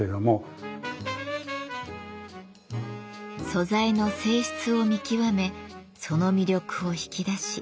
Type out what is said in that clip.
素材の性質を見極めその魅力を引き出し